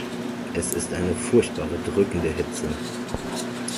Es ist eine furchtbare drückende Hitze.